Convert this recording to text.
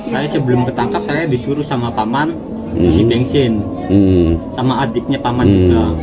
saya sebelum ketangkap saya disuruh sama paman di bensin sama adiknya paman juga